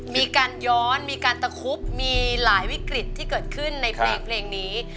มีการย้อนมีการตะคุบมีหลายวิกฤตที่เกิดขึ้นในเพลงนี้